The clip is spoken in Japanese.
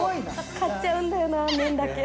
買っちゃうんだよな、麺だけ。